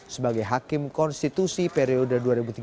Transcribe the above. sebagai hakim konstitusi periode dua ribu tiga belas dua ribu delapan belas